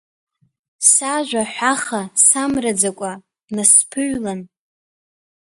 Сажәа аҳәаха самраӡакәа днасԥыҩлан…